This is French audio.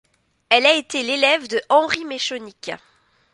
Elle a été l'élève de Henri Meschonnic.